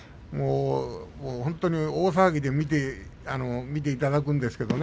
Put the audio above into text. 本当に大騒ぎで見ていただくんですけどね